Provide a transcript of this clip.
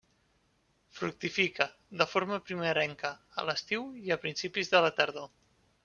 Fructifica, de forma primerenca, a l'estiu i a principis de la tardor.